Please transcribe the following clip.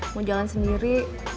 mau jalan sendiri